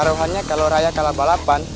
taruhannya kalau raya kalah balapan